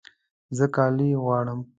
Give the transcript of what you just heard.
زه کالي غواړم